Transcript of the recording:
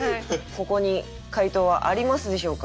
ここに解答はありますでしょうか。